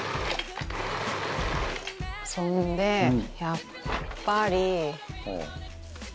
そんでやっぱり。